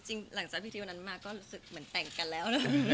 หลังจากพิธีวันนั้นมาก็รู้สึกเหมือนแต่งกันแล้ว